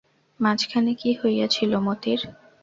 মাঝখানে কী হইয়াছিল মতির?